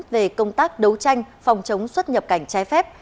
về công tác đấu tranh phòng chống xuất nhập cảnh trái phép